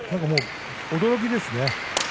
驚きですね。